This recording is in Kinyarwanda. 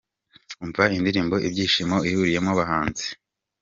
Umva indirimbo ’Ibishyimbo’ ihuriyemo aba bahanzi.